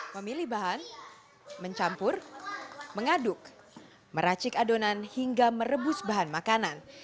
memilih bahan mencampur mengaduk meracik adonan hingga merebus bahan makanan